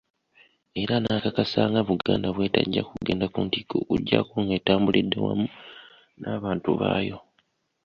Era n'akakasa nga Buganda bwe tajja kugenda ku ntikko okuggyako ng'etambulidde wamu n’abantu baayo.